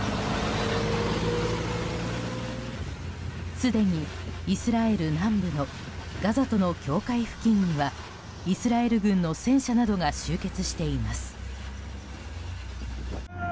すでにイスラエル南部のガザとの境界付近にはイスラエル軍の戦車などが集結しています。